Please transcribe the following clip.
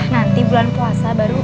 nanti bulan puasa baru